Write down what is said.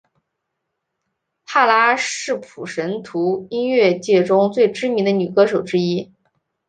帕拉是普什图音乐界中最知名的女歌手之一。